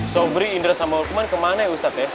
sobrindra sama hukuman kemana ya ustadz ya